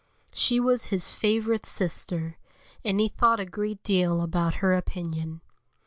She was his favourite sister, and he thought a great deal about her opinion.